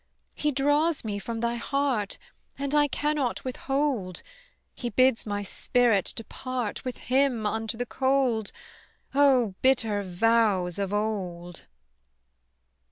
He draws me from thy heart, And I cannot withhold: He bids my spirit depart With him into the cold: O bitter vows of old!